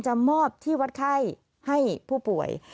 มอบที่วัดไข้ให้ผู้ป่วย